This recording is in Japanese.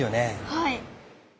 はい。